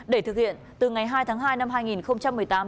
để thực hiện từ ngày hai tháng hai năm hai nghìn một mươi tám